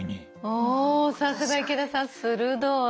おさすが池田さん鋭い！